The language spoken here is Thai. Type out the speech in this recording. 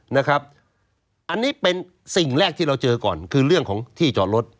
นะครับอันนี้เป็นสิ่งแรกที่เราเจอก่อนคือเรื่องของที่จอดรถ